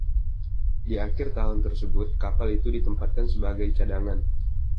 Di akhir tahun tersebut, kapal itu ditempatkan sebagai cadangan.